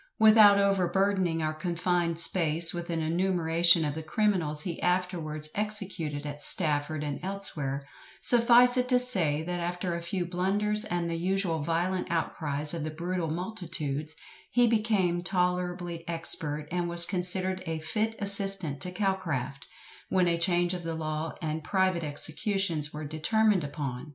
Without overburdening our confined space with an enumeration of the criminals he afterwards executed at Stafford and elsewhere, suffice it to say, that after a few blunders and the usual violent outcries of the brutal multitudes, he became tolerably expert, and was considered a fit assistant to Calcraft, when a change of the law and private executions were determined upon.